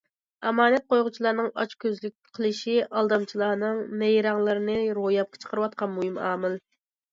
ئامانەت قويغۇچىلارنىڭ ئاچ كۆزلۈك قىلىشى ئالدامچىلارنىڭ نەيرەڭلىرىنى روياپقا چىقىرىۋاتقان مۇھىم ئامىل.